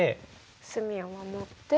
隅を守って。